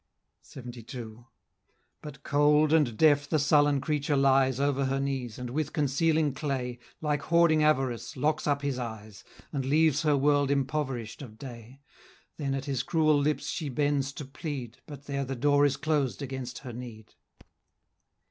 LXXII. But cold and deaf the sullen creature lies Over her knees, and with concealing clay, Like hoarding Avarice, locks up his eyes, And leaves her world impoverish'd of day; Then at his cruel lips she bends to plead, But there the door is closed against her need.